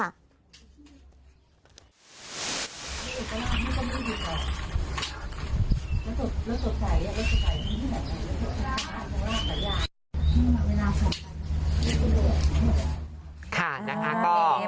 ขาดจากอากออก